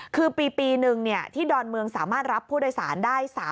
คือปีหนึ่งที่ดอนเมืองสามารถรับผู้โดยสารได้